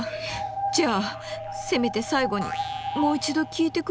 じゃあせめて最後にもう一度聴いてくれる？